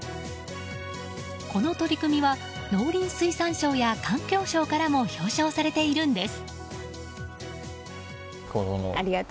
この取り組みは農林水産省や環境省からも表彰されているんです。